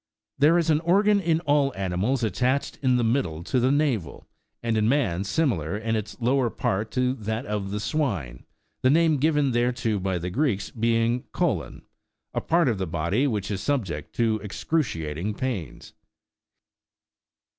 There is an organ in all animals attached in the middle to the navel, and in man similar in its lower part to that of the swine, the name given thereto by the Greeks being " colon," a part of the body which is subject to excruciating pains.